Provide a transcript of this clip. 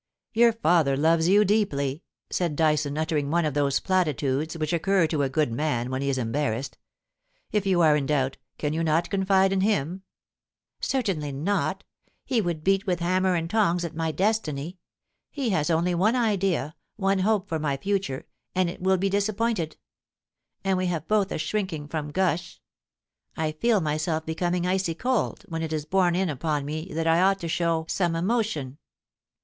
* Your father loves you deeply,' said Dyson, uttering one of those platitudes which occur to a good man when he is embarrassed. * If you are in doubt, can you not confide in him?* * Certainly not He would beat with hammer and tongs at my destiny. He has only one idea, one hope for my future, and it will be disappointed. ... And we have both a shrinking from gush. I feel myself becoming icy cold when it is borne in upon me that I ought to show some emotion.